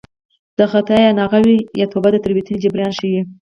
د خطا یا ناغه وي یا توبه د تېروتنې جبران ښيي